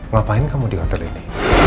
ngapain kamu di hotel ini